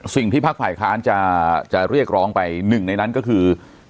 สิ่งที่ภาคฝ่ายค้านจะเรียกร้องไปหนึ่งในนั้นก็คือ